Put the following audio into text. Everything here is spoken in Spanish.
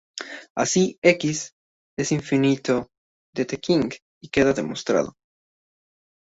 Así, "X" es infinito-Dedekind, y queda demostrado.